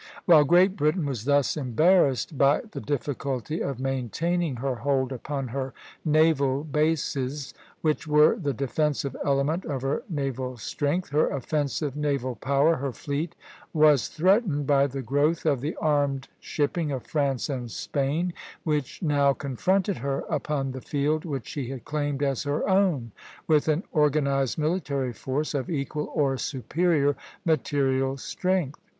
While Great Britain was thus embarrassed by the difficulty of maintaining her hold upon her naval bases, which were the defensive element of her naval strength, her offensive naval power, her fleet, was threatened by the growth of the armed shipping of France and Spain, which now confronted her upon the field which she had claimed as her own, with an organized military force of equal or superior material strength.